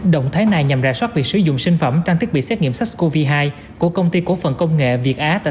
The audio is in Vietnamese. động thái này nhằm rà soát việc sử dụng sinh phẩm trang thiết bị xét nghiệm sars cov hai